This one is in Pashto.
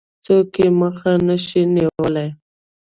څوک يې مخه نه شي نيولای.